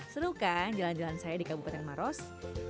seru kan jalan jalan saya di kabupaten maros